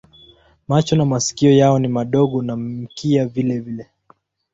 Macho na masikio yao ni madogo na mkia vilevile.